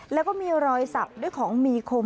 แล้วก็มีรอยสับด้วยของมีคม